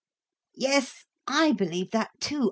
"Yes, I believe that too.